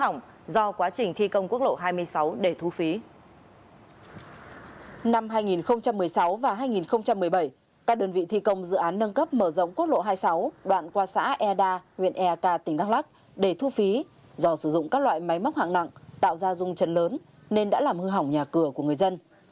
năm hai nghìn một mươi sáu và hai nghìn một mươi bảy các đơn vị thi công dự án nâng cấp mở rộng quốc lộ hai mươi sáu đoạn qua xã eda huyện eak tỉnh đắk lắc để thu phí do sử dụng các loại máy móc hạng nặng tạo ra rung trận lớn nên đã làm hư hỏng nhà cửa của người dân